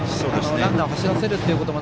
ランナーを走らせるってことも